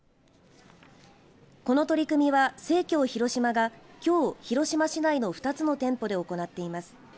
この取り組みは、生協ひろしまがきょう広島市内の２つの店舗で行っています。